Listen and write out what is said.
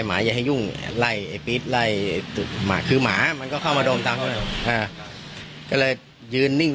มานี่เร็วมาดูอะไรนี่เร็วมาวู้ตะโกน